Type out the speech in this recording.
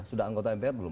sudah anggota mpr belum